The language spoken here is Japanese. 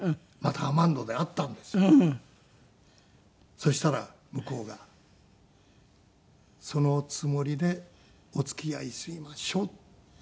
そしたら向こうが「そのつもりでお付き合いしましょ」って。